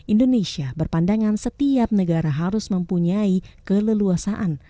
indonesia berpandangan setiap negara harus mempunyai keleluasaan